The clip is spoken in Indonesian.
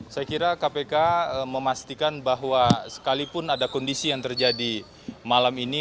saya kira kpk memastikan bahwa sekalipun ada kondisi yang terjadi malam ini